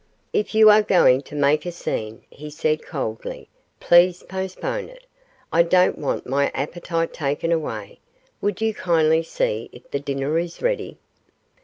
'If you are going to make a scene,' he said, coldly, 'please postpone it. I don't want my appetite taken away; would you kindly see if the dinner is ready?